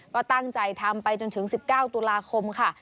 ก็ตั้งใจทำไปจนถึง๑๙ตุลาคมค่ะ